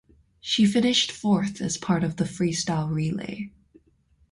She finished fourth as part of the freestyle relay.